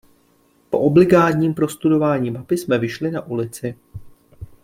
Po obligádním prostudování mapy jsme vyšli na ulici.